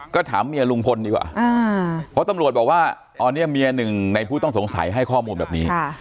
ก็ถามเมียลุงพลดีกว่าเพราะตำรวจบอกว่าตอนนี้เมียหนึ่งในผู้ต้องสงสัยให้ข้อมูลแบบนี้